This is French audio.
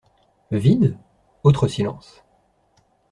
Vide ? Autre silence.